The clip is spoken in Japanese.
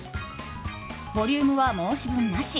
ボリュームは申し分なし。